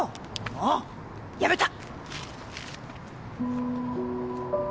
もうやめた！